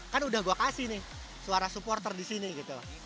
kan udah gue kasih nih suara supporter di sini gitu